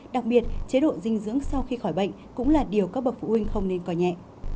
đặc biệt chế độ dinh dưỡng sau khi khỏi bệnh cũng là điều các bậc phụ huynh không nên coi nhẹ